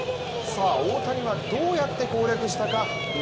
さあ大谷はどうやって、攻略したか。